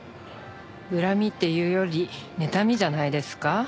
恨みっていうよりねたみじゃないですか？